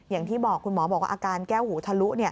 อย่างที่บอกคุณหมอบอกว่าอาการแก้วหูทะลุ